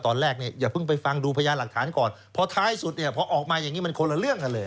ตอนแรกเนี่ยอย่าเพิ่งไปฟังดูพยานหลักฐานก่อนเพราะท้ายสุดเนี่ยพอออกมาอย่างนี้มันคนละเรื่องกันเลย